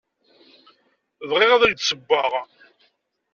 Bɣiɣ ad ak-d-ssewweɣ.